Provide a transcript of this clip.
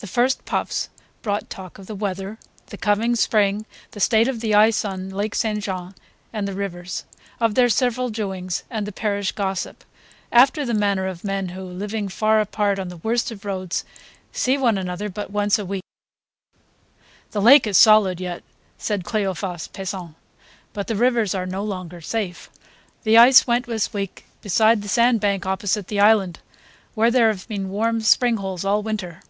The first puffs brought talk of the weather, the coming spring, the state of the ice on Lake St. John and the rivers, of their several doings and the parish gossip; after the manner of men who, living far apart on the worst of roads, see one another but once a week. "The lake is solid yet," said Cleophas Pesant, "but the rivers are no longer safe. The ice went this week beside the sand bank opposite the island, where there have been warm spring holes all winter."